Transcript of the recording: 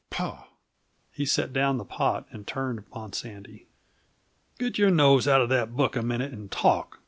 "Paugh!" He set down the pot and turned upon Sandy. "Get your nose out of that book a minute and talk!"